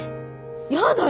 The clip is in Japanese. やだよ。